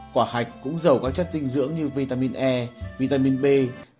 quả hạch cũng giàu các chất tinh dưỡng như vitamin e vitamin b và các loại acid béo